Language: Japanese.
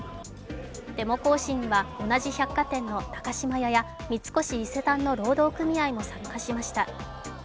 デモ行進には、同じ百貨店の高島屋や三越伊勢丹の労働組合も参加しました。